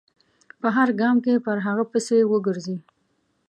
په هر ګام کې پر هغه پسې و ګرځي.